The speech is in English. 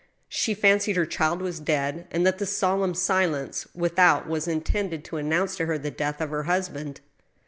She fancied her child was dead, and that the solemn silence without was intended, to announce to her the death of her husband.